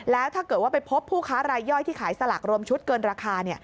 แล้วถ้าเกิดว่าไปพบผู้ค้ารายย่อยที่ขายสลากรวมชุดเกินราคา